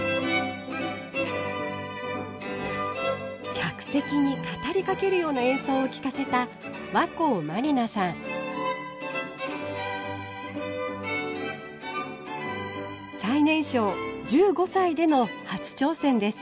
客席に語りかけるような演奏を聴かせた最年少１５歳での初挑戦です。